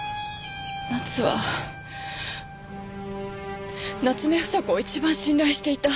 奈津は夏目房子を一番信頼していた。